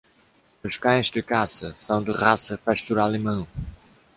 Os cães de caça são da raça Pastor Alemão